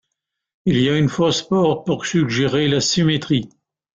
Il y a une fausse porte pour suggérer la symétrie.